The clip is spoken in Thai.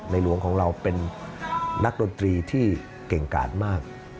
หลวงของเราเป็นนักดนตรีที่เก่งกาดมาก